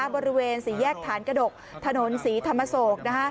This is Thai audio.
บริเวณสี่แยกฐานกระดกถนนศรีธรรมโศก